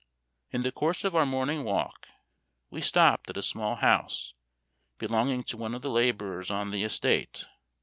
In the course of our morning's walk, we stopped at a small house belonging to one of the laborers on the estate.